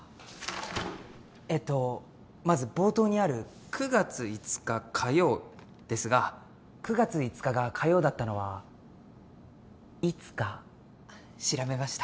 えっとまず冒頭にある「９月５日火曜」ですが９月５日が火曜だったのはいつか調べました。